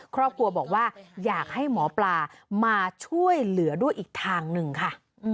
ครอบครัวบอกว่าอยากให้หมอปลามาช่วยเหลือด้วยอีกทางหนึ่งค่ะ